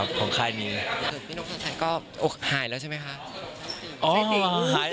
พี่นกสินใจก็หายแล้วใช่ไหมคะ